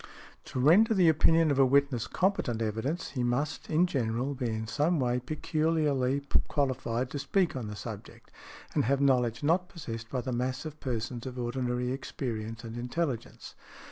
To render the opinion of a witness competent evidence, he must, in general, be in some way peculiarly qualified to speak on the subject, and have knowledge not possessed by the mass of persons of ordinary experience and intelligence .